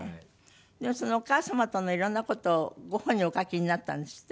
でもそのお母様との色んな事をご本にお書きになったんですって？